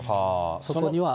そこには。